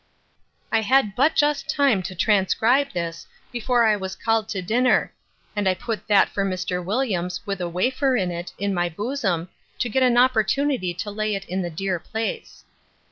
I had but just time to transcribe this, before I was called to dinner; and I put that for Mr. Williams, with a wafer in it, in my bosom, to get an opportunity to lay it in the dear place.